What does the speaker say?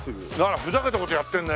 ふざけた事やってるね。